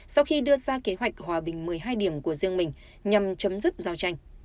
sau khi đưa ra kế hoạch hòa bình một mươi hai điểm của riêng mình nhằm chấm dứt giao tranh